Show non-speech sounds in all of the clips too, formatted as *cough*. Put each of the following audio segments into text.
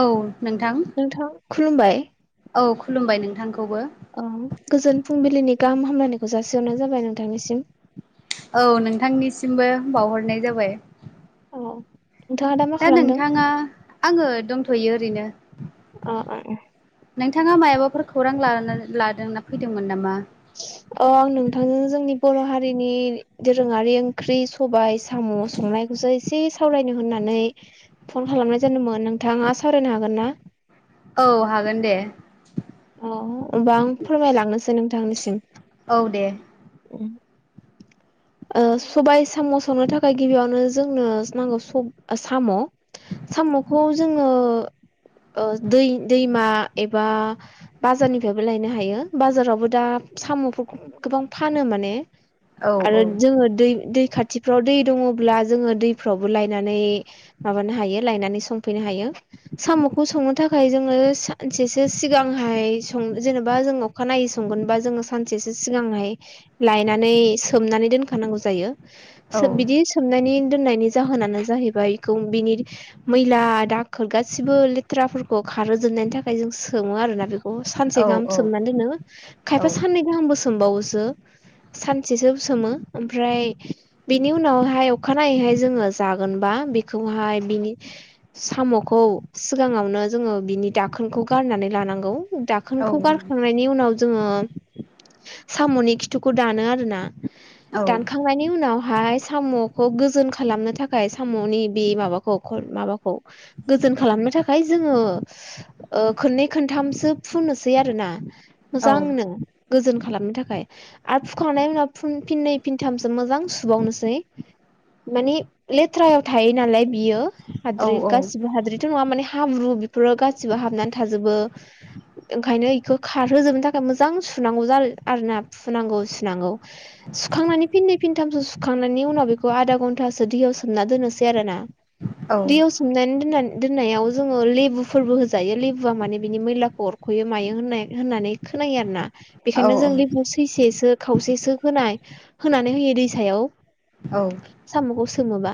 औ नोंथां औ खुलुमबाय नोंथांखौबो औ गोजोन फुंबिलिनि गाहाम हामलायनायखौ जासिहरनाय जाबाय नोंथांनिसिम। औ नोंथांनिसिमबो बावहरनाय जाबाय। औ नोंथाङा दा मा खालामदों? आङो दंथ'यो ओरैनो अ अ अ नोंथाङा मायाबाफोर खौरां लानानै लादों ना फैदोंमोन नामा? अ आं नोंथांजों जोंनि बर' हारिनि दोरोङारि ओंख्रि सबाय साम' संनायखौसो एसे सावरायनो होननानै फन खालामनाय जादोंमोन। नोंथाङा सावरायनो हागोन ना? औ हागोन दे। औ होमबा आं फोरमायलांनोसै नोंथांनिसिम औ दे *inaudible* ओ सबाय साम' संनो थाखाय गिबियावनो जोंनो नांगौ स' ओ साम' साम'खौ जोङो ओ दै-दैमा एबा बाजारनिफ्रायबो लायनो हायो बाजारावबो दा साम'फोरखौ गोबां फानो माने औ औ आरो जोङो दै-दै खाथिफ्राव दै दङ'ब्ला जोङो दैफ्रावबो लायनानै माबानो हायो लायनानै संफैनो हायो। साम'खौ संनो थाखाय जोङो सानसेसो सिगांहाय सं जेनेबा जों अखा नायै संगोनबा जोङो सानसेसो सिगांहाय लायनानै सोमनानै दोनखानांगौ जायो औ सो बिदि सोमनायनि दोननायनि जाहोनानो जाहैबाय खौ बिनि मैला दा खोर गासिबो लेथ्राफोरखौ खारोजोननायनि थाखाय जों सोमो आरोना बेखौ सानसे औ गाहाम सोमनानै दोनो औ खायफा साननै गाहामबो सोमबावो *inaudible* सानसेसो सोमो ओमफ्राय बेनि उनावहाय अखानायैहाय जोङो जागोनबा बेखौहाय बिनि साम'खौ सिगाङावनो जोङो बिनि दाखोनखौ गारनानै लानांगौ औ दाखोनखौ गारखांनायनि उनाव जोङो साम'नि ुखौ दानो आरो ना औ दानखांनायनि उनावहाय साम'खौ गोजोन खालामनो थाखाय साम'नि बे माबाखौ माबाखौ गोजोन खालाम फाय जोङो ओ खोनै खोनथामसो फु सै आरो ना औ मोजांनो गोजोन खालामनो थाखाय आरो फुखांनायनि उनाव फिननै फिनथामसो मोजां सुबावनोसै मानिे लेथ्रायाव थायो नालाय बियो उम हाद्रि औ गासिबो हाद्रिथ' नङा माने हाब्रु बेफोरो गासिबो हाबनानै थाजोबो ओंखायनो बेखौ खारहोजोबनो थाखाय मोजां सुनांगौ ज आरो ना फुनांगौ सुनांगौ सुखांनानै फिनै फिनथामसो सुखांनायनि उनाव बेखौ आधा घन्टासो दै दैोना दै सनाय लु फोरबो होजायो लेबुआ माने बिनि मैलाखौ अरख'यो मायो होननाय होननानै खोनायो आरोना औ ओं बेखायनो जों लेबु सैसेसो खावसेसो होनाय नानै हो दैसायाव साम'खौ सोमोबा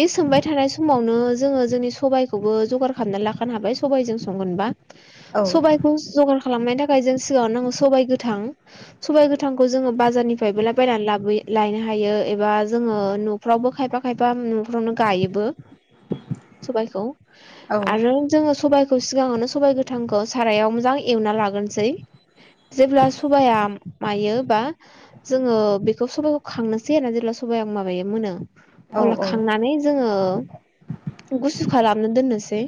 बे सोंबाय थानाय समावनो जोङो जोंनि सबायाइखौबो जगार खालामनानै लाखानो हाबाय सबायजों संगोनबा सबखौ जगार खालामनायनि थाखाय जों सिगाङाव नांगौ सबाइ गोथां। सबाय गोथांखौ जोङो ब बजारनिफ्रायबोलाय बायनानै लाबो लायनो हायो एबा जोङो न'फ्रावबो खायफा खायफा नावनो गायोबो सबबायखौ आरो जोङो सब खौ सिगाङावनो सबबाय गोथांखौ सारायाव मोजां एवना लागोनोसै जेब्ला सबाया मायो बा जोङो बेखौ सबाइखौ खांनोसै आरोा जेब्ला सबाइ आं माबायो मोनो। ओं अल औ खांनानै जोङो गुसु खालामनो दोननोसै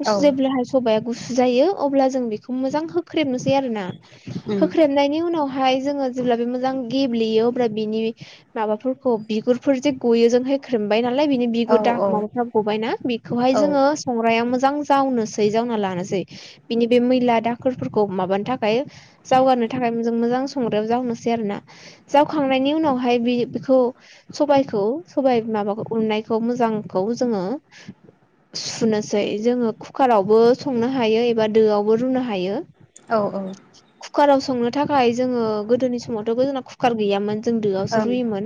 गुसु जेब्लाहाय सबाया गुसु जायो अब्ला जों बेखौ मोजां होख्रेबनोसै आरोोना होख्रेबनायनि उनाव। ाय जोङो जेब्ला बे मोजां गेब्लेयो अब्ला बिनि माबाफोरखौ बिगुरफोर जे गयो जों होख्रेमबाय नालाय बिनि बिगुर दा माबाफ्रा गबायनाा बेखौहाय जोङो सङो मोजां। जावनोसै जावना लानोसै बिनि बे मैला दाखोरफोरखौ माब थाखाय। जावगानो थाखाय जों मोजां संग्रायाव जावनोसै आरोना जावखांनायनि उनावहाय बे बेखौ सबखौ स माबाखौ उननायखौ मोजांखौ जोङो। सुनोसै जोङो कुकारावबो संनो हायो एबा दोआवबो रुनो हायो। कुकाराव संनो थाखाय जोङो गोदोनि समावथ' गो जोंना कुकार गैयामोन। जों दोआवसो रुयोमोन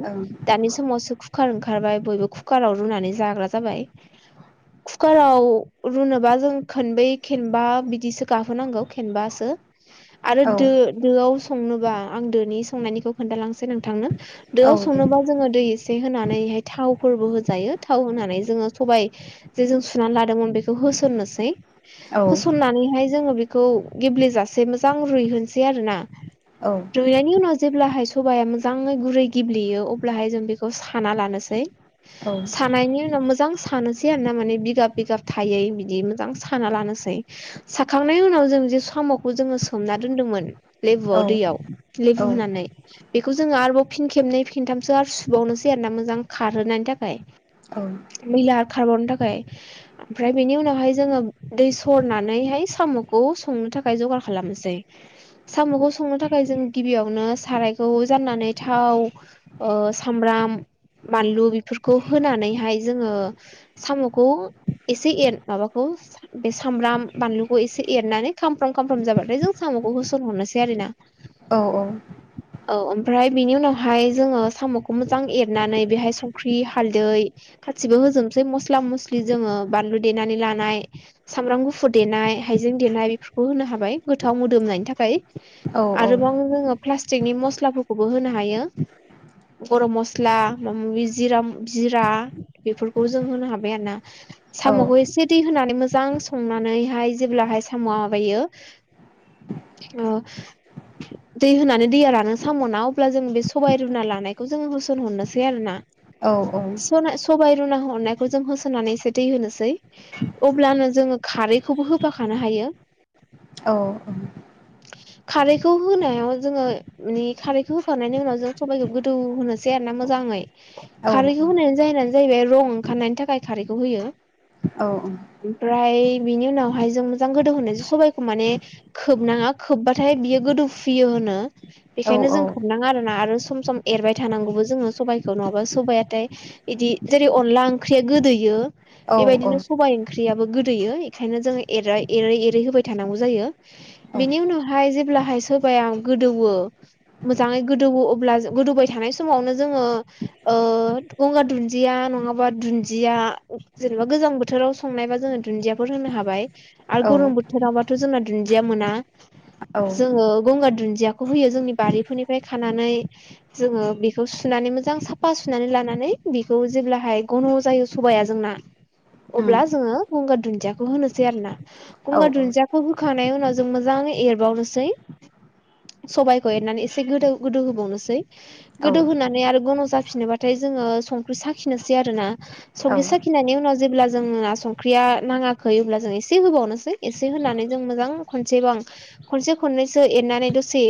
दानि समावसो कुखारार ओंखारबाय बयबो कुकाराव रुनानै। जाग्रा जाबाय कुकाराव रुनोबा जों खनबै खेनबा बिदिसो गाहोनांगौ खेनबासो आरो दो दोआव। संनोबा आं दोनि संनायनिखौ खोन्थाालांसै नोंथांनो औ दोआव दे संनोबा जोङो दै एसे होनानै। बेहाय थावफोरबो होजायो थाव होनानै जोङो सबाय जे जों सुनानै लादोंमोन बेखौ होसननोसै औ होसननानैहाय जोङो बे गेब्लेेजासे मोजां रुसै आरो ना औ रुनायनि उनाव जे सबाया मोजाङै गुरै गिब्लेयो अब्लाहाय जों बेखौ साना लानोसै। औ सानायनि उनाव मोजां स सैा म बिाब बिगाब थायो बिदि मोजां साना लानोसै साखांनायनि उनाव जों स'खौ जोङो सोमना दोन्दोंमोन लेबुआव। लु होनानै बे जबाव। फिन खेबनै खिनथामसो आरो सुबावनोसै आरोोना मोजां खारहोनायनि थाखाय। मला आरो खारबन दा ओमफ्राय बेनि उनावहाय जोङो दै सरनानैहाय साम'खौ संनो थाखाय जगार। खालामसै साम'खौ। संनो थाखाय जों गिबियावनो सारायखौ जाननानै थाव सामब्राम। बानलु बेफोरखौ होनानैहाय जोङो साम'खौ एसे एर माबाखौ। बे सामब्राम बानलुखौ एसे एरनानै खामफ्राम खामफ्राम जाबाथाय जों साम'खौ होसनहरनोसै आरो ना औ औ। औ ओमफ्राय बिनि उनावहाय जोङो साम'खौ मोजां एरनानै बेहाय संख्रि, हालदै। गासिबो होजोबनोसै मस्ला मस्लि जोङो बानलु देनानै लानाय सामब्राम गुफुर देनाय हाइजें। देनायफोरखौ होनो हाबाय गोथाव‌ मोदोमनायनि थाखाय आरोबाव जोङो प्लासटिकनि मस्ला। स्लाफोरखौबो होनो हायो। गरम मस्ला माबा माबि जिरा जिरा बेफोरखौ जों होनो हाबाय आरो ना? साम'खौ एसे दै होनानै। मोजां संनानैहाय जेब्लाहाय साम'वा माबायो। ओ दै होनानै दैया रानो साम' ना अब्ला जों बे सबाइ रुना लानायखौ जोङो होसनहरनोसै आरो ना? औ सना सबाइ रुना हरनायखौ जों होसनानै एसे दै होनोसै अब्लानो जोङो खारैखौबो होफाखानो हायो। *inaudible* औ ओ। खारैखौ खौ होनायाव जोङो माने खारैखौ होखांनायनि उनाव जों सबायखौ गोदौ होनोसै आरोना मोजाङै। औ औ खारैखौ होनायनि जाहोनानो जाहैबाय रं ओंखारनायनि थाखाय खारैखौ होयो। ओमफ्राय बिनि उनावहाय जों मोजां गोदौ होननाय सबायखौ माने खोबनाङा खोबबाथाय बियो। गोदौ फुयो होनो औ बेखायनो जों खोनाङा आरो। आरो सम सम एरबाय थानांगौबो जोङो सबायखौ नङाबा सबायाथाय बिदि जेरै अनला ओंख्रि। गोदैयो बेबायदिनो सबाय ओंख्रि। ख्रियाबो गोदोयो बेखायनो जोङो एर एरै होबाय थानांगौ जायो बेनि उनावहाय जेब्ला। हाय सोबाया गोदौवो मोजाङै गोदौवो अब्ला गोदौबाय थानाय समावनो जोङो ओ गंगार दुन्दिया नङाबा दुन्दिया जेनेबा गोजां बोथोराव संनायबा जो जोङो दुन्दियाफोर होनो हाबाय। आरो गरम बोथोरावबाथ' जोंना दुन्दिया मोना। जोङो गंगार दुन्दि दियाखौ होयो जोंनि बारिफोरनिफ्राय खानानै जोङो बेखौ सुनानै मोजां साफा सुनानै लानान नै बिखौ जेब्लाहाय गन' जायो सबाया जोंना अब्ला जोङो गंगार दुन्दियाखौ होनोसै आरो ना। गंगार दुन्दियाखौ होखांनाय उनाव जों मोजाङै एरबावनोस सै सबाइखौ एरनानै एसे गोदौ गोदौ होबावनोसै। गोदौ होनानै आरो गन' जाफिनोबाथाय जोङो संख्रि साखिनोसै आरो ना। संखि साखिनायनि उनाव जेब्ला जोङो आ संख्रिया नाङाखै अब्ला जों एसे होबावनोसै एसे होनानै जों मोजां खनसेबां खनसे खननैसो एदनानै दसे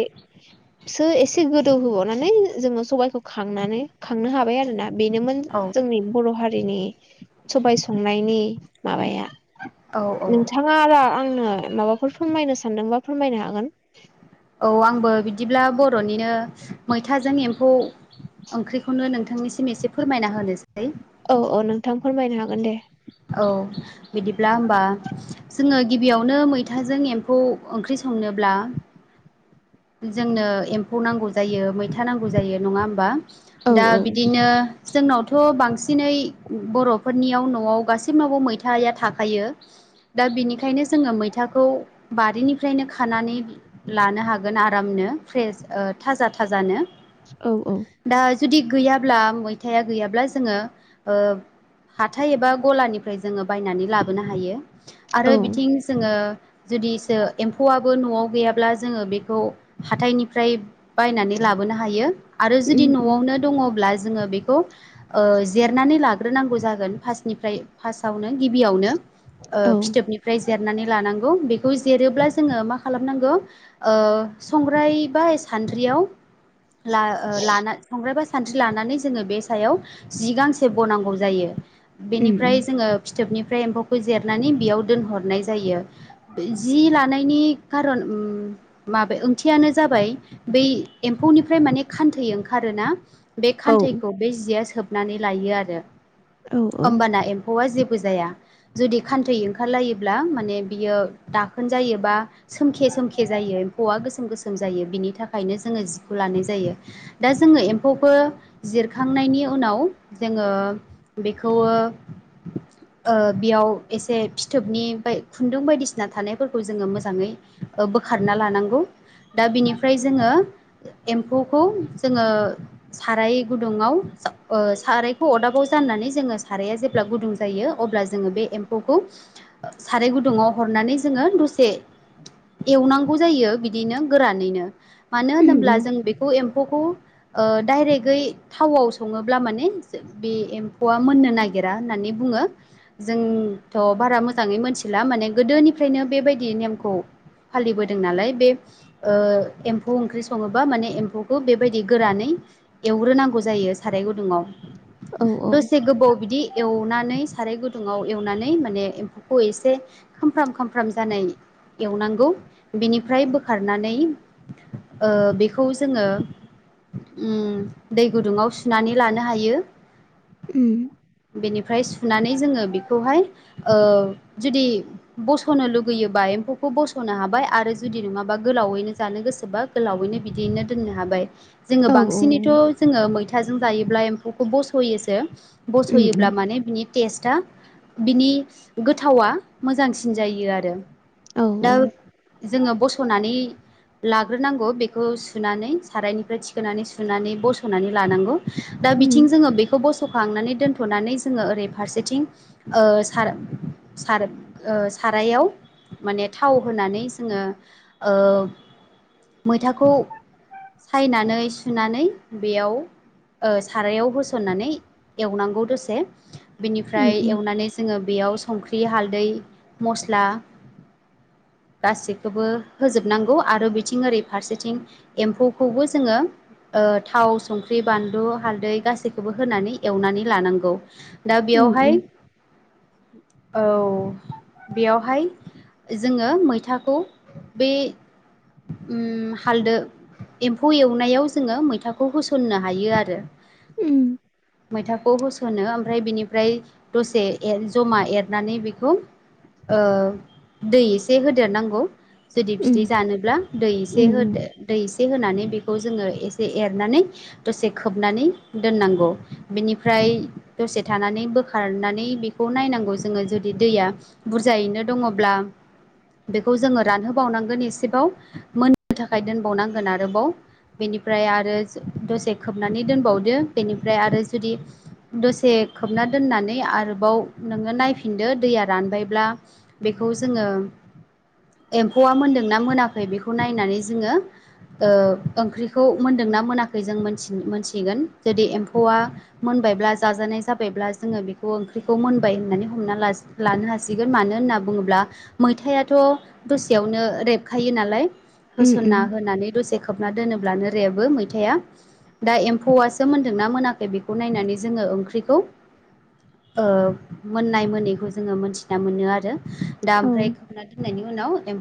सो एसे गोदौ होबावनानै जोङो सबाइखौ खांनानै खांनो हाबाय आरोना। बेनोमोन औ औ जोंनि बर' हारिनि सबाय संनायनि माबाया नोंथाङा आरा आंनो माबाफोर फोरमायनो सानदोंबा फोरमायनो हागोन। औ आंबो बिदिब्ला बर'निनो मैथाजों एम्फौ ओंख्रिखौनो नोंथांनिसिम एसे फोरमायना होनोसै। अ अ नोंथां फोरमायनो हागोन दे। औ। बिदिब्ला होमबा जोङो गिबियावनो मैथाजों एम्फौ ओंख्रि सं संनोब्ला जोंनो एम्फौ नांगौ जायो मैथा नांगौ जायो। नङा होमबा? औ दा औ बिदिनो जोंनावथ' बांसिनै बर'फोरनियाव न'वाव गासिनावबो मैथाया थाखायो। दा बिनिखायनो जोङो मैथाखौ बारिनिफ्रायनो खानानै लानो हाग गोन आरामनो फ्रेस ओ थाजा थाजानो। औ औ। दा जुदि गैयाब्ला मैथाया गैयाब्ला जोङो ओ हाथाय एबा गलानिफ्राय जोङो बायनानै लाबोनो हायो। औ आरो बिथिं जोङो जुदिसो एम्फौआबो न'आव गैयाब्ला जोङो बे खौ हाथाइनिफ्राय बायनानै लाबोनो हायो आरो जुदि उम उम न'आवनो दङ'ब्ला जोङो बे खौ ओ जेरनानै लाग्रोनांगौ जागोन फासनिफ्राय फासाव। आवनो गिबियावनो ओ औ फिथोबनिफ्राय जेरनानै लांनांगौ। बि खौ जिरोब्ला जोङो मा खालामनांगौ ओ संग्राय बा सान्द्रियाव ला ओ लाना संग्राइबा सानद्रि लानानै जोङो बे सायाव जि गांसे बनांगौ जायो। बेनिफ्राय जोङो फिथोबनि फ्राय एम्फौखौ जेरनानै बेयाव दोनहरनाय जायो। जि लानायनि खारन उम माबे ओंथियानो जाबाय बै एम्फौनिफ्राय माने खान्थै ओंखारोना बे खान्थैखौ बे जिया सोबनानै लायो आरो होमबाना एम्फौआ जे बो जाया। जुदि खान्थै ओंखार लायोब्ला माने बियो दाखोन जायोबा सोमखे सोमखे जायो। फौआ गोसोम गोसोम जायो बिनि थाखायनो जोङो जिखौ लानाय जायो। दा जोङो एम्फौफो जिरखांनायनि उनाव जोङो बिखौ ओ ओ बियाव एसे फिथोबनि बाय खुन्दुं बायदिसिना थानायफोरखौ जोङो मोजाङै ओ बोखारना लानां खौ दा बिनिफ्राय जोङो एम्फौखौ जोङो साराय गुदुं उङाव ओ सारायखौ अदाबाव जाननानै जोङो साराया जेब्ला गुदुं जायो अब्ला जोङो बे एम फौखौ साराय गुदुंआव हरनानै जोङो दसे एवनांगौ जायो। बि दिनो गोरानैनो मानो होनोब्ला जों बेखौ एम्फौखौ ओ डाइरेक्टयै थावआव सङोब्ला माने बे एम्फौआ मोननो नागिरा होननानै बुङो जों थ' बारा मोजाङै मोनथिला माने गोदोनिफ्रायनो बेबायदि नेमखौ फालिबोदों नालाय बे ओ एम्फौ ओंख्रि सङोबा माने एम्फौखौ बेबायदि गोरानै एवग्रोनांगौ जायो। साराय गुदुं दसे गोबाव बिदि। एवनानै साराय गुदुङाव एवनानै माने एम्फौखौ एसे खामफ्र्राम खामफ्र्राम जानाय एवनांगौ बिनिफ्राय बोखारनानै ओ बेखौ जोङो दै गुदुंङाव सुनानै लानो हायो। बेनिफ्राय सुनानै जोङो बेखौहाय ओ जुदि बस'नो लुगैयोबा एम्फौखौ बस'नो हाबाय आरो जुदि नङाबा गोलावैनो जानो गोसोबा गोलावैनो बिदियैनो दोननो हाबाय जोङो बांसिनैथ' जोङो मैथा मैथाजों जायोब्ला एम्फौखौ बस'योसो बस'योब्ला माने बिनि टेस्टआ बिनि गोथावा मोजांसिन जायो आरो दा जोङो बस'नानै लाग्रोनांगौ बेखौ सुनानै सारायनिफ्राय थिखोनानै सुनानै बस'नानै लानांगौ दा बिथिं जोङो बेखौ बस' खांनानै दोन'नानै जोङो ओरै फारसेथिं सारायाव माने थाव होनानै जोङो मैथाखौ सायनानै सुनानै बेयाव सारायाव होसननानै एवनांगौ दसे बेनिफ्राय एवनानै जोङो बेयाव संख्रि हालदै मस्ला गासैखौबो होजोबनांगौ आरो बिथिं ओरै फारसेथिं एम्फौखौबो जोङो थाव संख्रि बानलु हालदै गासैखौबो होनानै एवनानै लानांगौ दा बेयावहाय औ बेयावहाय जोङो मैथाखौ बे हालदो एम्फौ एवनायाव जोङो मैथाखौ होसन्नो हायो आरो उम मैथाखौ होसोनो ओमफ्राय बिनिफ्राय दसे जमा एरनानै बेखौ दै एसे होदेरनांगौ जुदि बिदै जानोब्ला दै एसे होदो दैसे होनानै बे जोङ एसे एनानै दसे खोबनानै दोनांगनिफ्राय दसे थानानै बोखारनानै बेखौ नायनांगौ जोङो जुदि दैया बुरजायैनो द दुङ बेखौ जोङो रानहोबावनांगोन एसेबाव मोननो थाखाय दोनबावनांगोन आरोबाव बेनिफ्राय आरो दसे खोबनानै दोनबावदो बेनिफ्राय आरो जुदि दसे खोबना दोननानै आरोबाव नोङो नायफिनदो दैया रानबायब्ला बेखौ बे खौ जोङो *unintelligible* एम्फौआ मोन्दोंना मोनाखै बेखौ नायनानै जोङो ओंख्रिखौ मोन्दोंनाा मोन जों मोनथि -मोनथिगोन जुदि एम्फौआ मोनबायब्ला जा जाबायब्ला जोङो बेखौ ओं खौ मोनबाय होननानै हमना ला लानो हासिगोन मानो होनना बुङोब्ला मैथायाथ' दसेयावनो रेबखायो नालाय होसनना होनानै दसे खोबना दोनोब्लानो आुाद्रायाबो मैथाया दा एम्फौआसो मोन्दोंनाा मोनाखै बेखौ नायनानै जोङो ओंख्रिखौ मोननाय मोनैखौ जोङो मोनथिना मोनो आरो दा ओमफ्राय खोबा दोननायनि उनाव